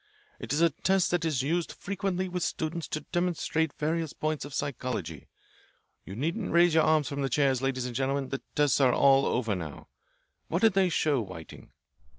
It is a test that is used frequently with students to demonstrate various points of psychology. You needn't raise your arms from the chairs, ladies and gentlemen. The tests are all over now. What did they show, Whiting?"